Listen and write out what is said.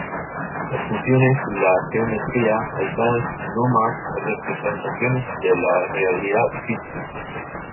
Las funciones y la geometría aisladas no más representaciones de la realidad física.